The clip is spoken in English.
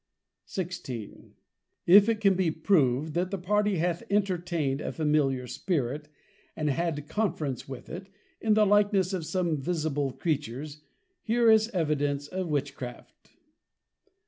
_ XVI. _If it can be proved, that the party hath entertained a Familiar Spirit, and had Conference with it, in the likeness of some visible Creatures; here is Evidence of witchcraft.